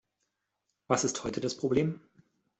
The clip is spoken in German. Was ist heute das Problem?